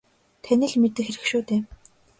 Таны л мэдэх хэрэг шүү дээ.